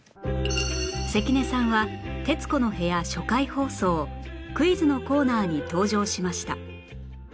関根さんは『徹子の部屋』初回放送クイズのコーナーに登場しました